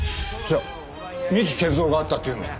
じゃあ三木賢三が会ったっていうのも。